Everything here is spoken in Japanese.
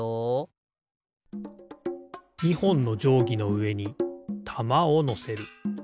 ２ほんのじょうぎのうえにたまをのせる。